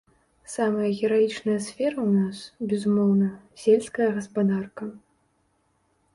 Самая гераічная сфера ў нас, безумоўна, сельская гаспадарка.